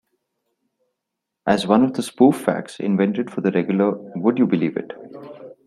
As one of the spoof facts invented for the regular "Would You Believe It?